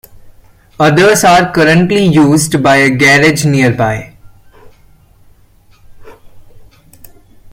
Others are currently used by a garage nearby.